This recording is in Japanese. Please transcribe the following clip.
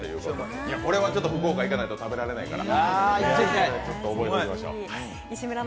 これは福岡行かないと食べられないから。